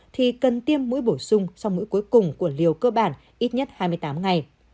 thì cần tiêm mũi bổ sung sau mũi cuối cùng của liều cơ bản ít nhất hai mươi tám ngày